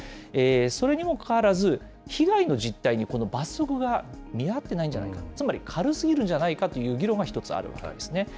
それにもかかわらず、被害の実態にこの罰則が見合ってないんじゃないかと、つまり軽すぎるんじゃないかという議論が一つあるわけですね。